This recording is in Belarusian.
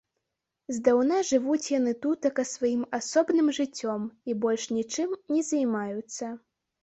Здаўна жывуць яны тутака сваім асобным жыццём і больш нічым не займаюцца.